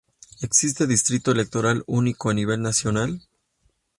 Existe distrito electoral único a nivel nacional.